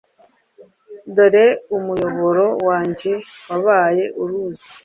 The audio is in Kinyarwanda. dore umuyoboro wanjye wabaye uruzi,